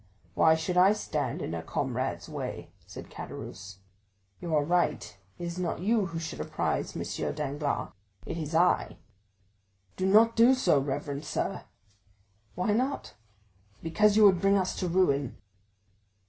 "Why should I stand in a comrade's way?" said Caderousse. "You are right; it is not you who should apprise M. Danglars, it is I." "Do not do so, reverend sir." "Why not?" "Because you would bring us to ruin."